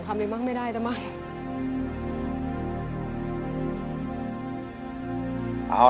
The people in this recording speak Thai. สำหรับเรา